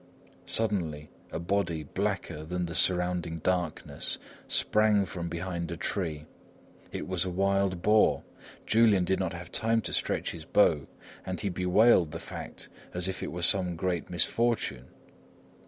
Suddenly a body blacker than the surrounding darkness sprang from behind the tree. It was a wild boar. Julian did not have time to stretch his bow, and he bewailed the fact as if it were some great misfortune.